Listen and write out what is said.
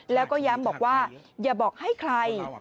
แล้วก็ย้ำบอกว่าอย่าบอกให้ใคร